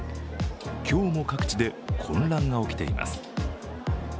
今日も各地で混乱が起きています。